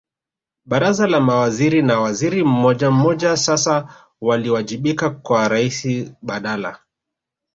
Baraza la Mawaziri na waziri mmojammoja sasa waliwajibika kwa Raisi badala